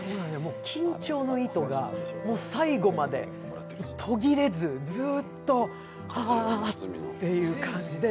緊張の糸が最後まで途切れず、ずーっと、はあってイを感じで。